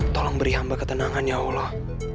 tolong beri hamba ketenangan ya allah